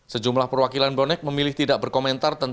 sejumlah perwakilan bonek memilih tidak berkomentar